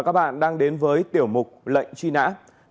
các nạn nhân vụ cháy đã được điều tra làm rõ